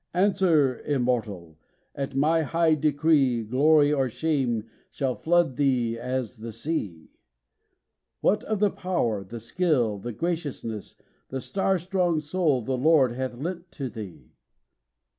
'Answer, Immortal! at my high decree Glory or shame shall flood thee as the sea: What of the power, the skill, the graciousness, The star strong soul the Lord hath lent to thee?